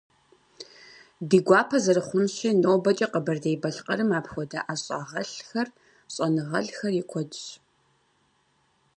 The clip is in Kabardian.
Ди гуапэ зэрыхъунщи, нобэкӀэ Къэбэрдей-Балъкъэрым апхуэдэ ӀэщӀагъэлӀхэр, щӀэныгъэлӀхэр и куэдщ.